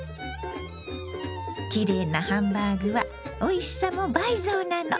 きれいなハンバーグはおいしさも倍増なの。